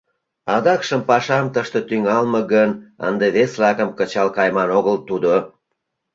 Адакшым пашам тыште тӱҥалме гын, ынде вес лакым кычал кайыман огыл тудо!